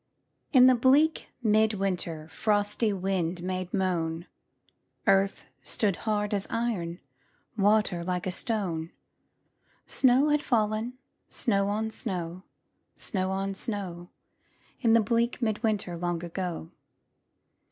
In the bleak mid winter Frosty wind made moan, Earth stood hard as iron, Water like a stone; Snow had fallen, snow on snow, Snow on snow, In the bleak mid winter Long ago.